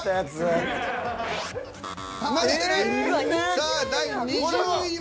さあ第２０位は。